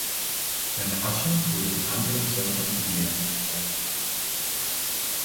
Seine Asche wurde von anderen Surfern im Meer verstreut.